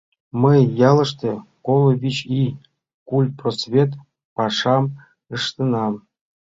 Мый ялыште коло вич ий культпросвет пашам ыштенам.